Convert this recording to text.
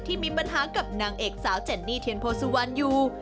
มีปัญหากับนางเอกสาวเจนนี่เทียนโพสุวรรณอยู่